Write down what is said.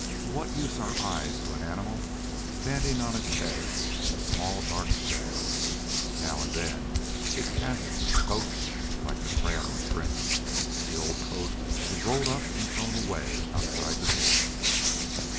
Of what use are eyes to an animal standing on its head in a small dark shell! Now and then it casts its coat (like the Crab and Shrimp). The old coat is rolled up and thrown away outside the door.